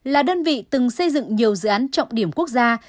là đơn vị từng xây dựng nhiều dự án